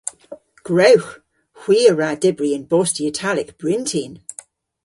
Gwrewgh! Hwi a wra dybri yn bosti Italek bryntin.